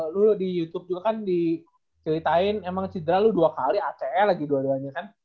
lu di youtube juga kan diceritain emang cedera lu dua kali acl lagi dua duanya kan